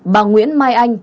một bà nguyễn mai anh